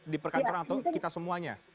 di perkantoran atau kita semuanya